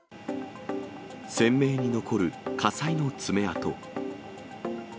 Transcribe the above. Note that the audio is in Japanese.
鮮明に残る火災の爪痕。